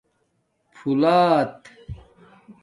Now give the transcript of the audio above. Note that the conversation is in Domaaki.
پھݸلات